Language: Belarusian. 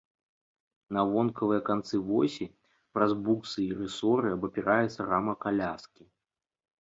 На вонкавыя канцы восі праз буксы і рысоры абапіраецца рама каляскі.